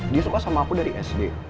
dia suka sama aku dari sd